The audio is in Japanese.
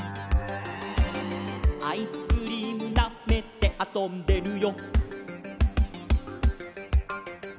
「アイスクリームなめてあそんでるよ」